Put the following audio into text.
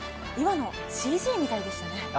今の、ＣＧみたいでしたね。